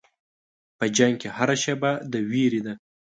په جنګ کې هره شېبه د وېرې ده.